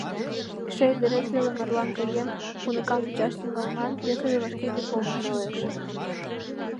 Эше ӱдырет веле марлан каен, уныкам вучаш тӱҥалман, весыже вашке дипломым налеш...